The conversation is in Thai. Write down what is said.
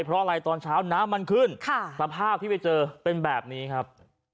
เพราะอะไรตอนเช้าน้ำมันขึ้นสภาพที่ไปเจอเป็นแบบนี้ครับ